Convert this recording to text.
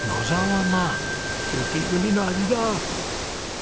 雪国の味だ。